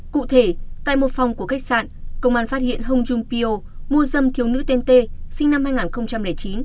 cụ thể tại một phòng của khách sạn công an phát hiện hồng jum peo mua dâm thiếu nữ tên t sinh năm hai nghìn chín